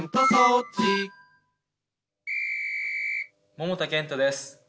桃田賢斗です。